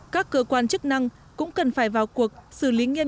các cơ quan chức năng cũng cần phải vào cuộc xử lý nghiêm